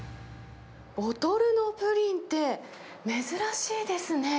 ボトルのプリンって、珍しいですね。